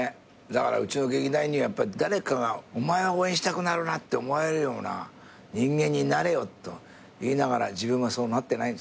だからうちの劇団員には誰かがお前を応援したくなるなって思われるような人間になれよと言いながら自分がそうなってないんですけど。